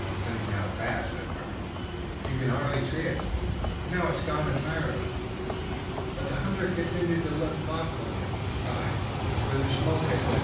"It's thinning out fast," said Robert. "You can hardly see it! and now it's gone entirely!" But the hunter continued to look thoughtfully at the sky, where the smoke had been.